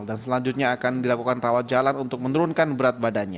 dan selanjutnya akan dilakukan rawat jalan untuk menurunkan berat